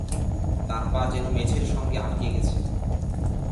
তাঁর পা যেন মেঝের সঙ্গে আটকে গেছে।